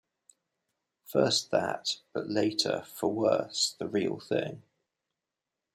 First that; but later, for worse, the real thing.